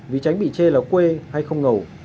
vì tránh bị chê là quê hay không ngầu